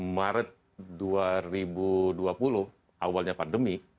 maret dua ribu dua puluh awalnya pandemi